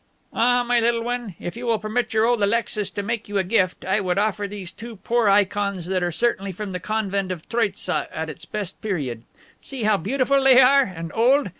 "Ah, my little one, if you will permit your old Alexis to make you a gift, I would offer you these two poor ikons that are certainly from the convent of Troitza at its best period. See how beautiful they are, and old.